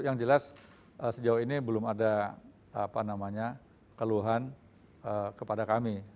yang jelas sejauh ini belum ada keluhan kepada kami